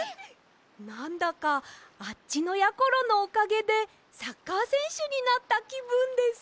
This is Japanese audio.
なんだかあっちのやころのおかげでサッカーせんしゅになったきぶんです。